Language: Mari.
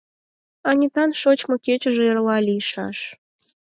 Анитан шочмо кечыже эрла лийшаш.